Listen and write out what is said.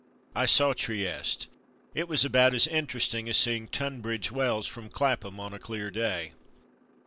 I saw Trieste. It was about as interesting as seeing Tunbridge Wells from Clapham on a clear day.